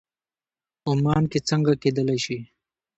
عمان کې څنګه کېدلی شي.